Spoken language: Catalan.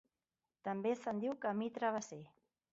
També se'n diu Camí Travesser.